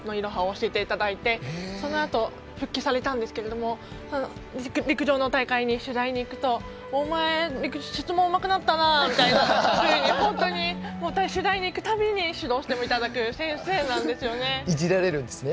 教えていただいてそのあと復帰されたんですけど陸上の大会に取材に行くと、お前質問うまくなったなあみたいな取材にしにいくたびに話してくれるんですね。